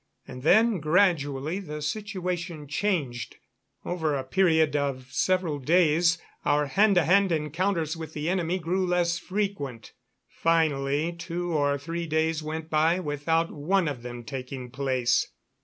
And then gradually the situation changed. Over a period of several days our hand to hand encounters with the enemy grew less frequent. Finally two or three days went by without one of them taking place.